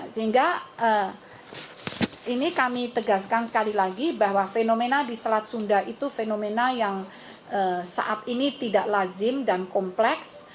sehingga ini kami tegaskan sekali lagi bahwa fenomena di selat sunda itu fenomena yang saat ini tidak lazim dan kompleks